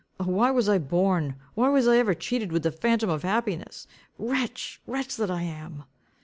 Oh, why was I born! Why was I ever cheated with the phantom of happiness! Wretch, wretch that I am!"